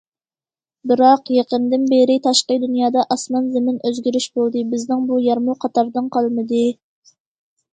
بىراق، يېقىندىن بېرى تاشقى دۇنيادا ئاسمان- زېمىن ئۆزگىرىش بولدى، بىزنىڭ بۇ يەرمۇ قاتاردىن قالمىدى.